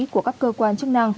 của các cơ quan chức năng